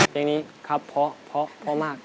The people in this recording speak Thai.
อย่างนี้ครับพอพอพอมาก